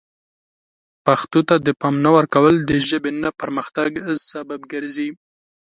پښتو ته د پام نه ورکول د ژبې نه پرمختګ سبب ګرځي.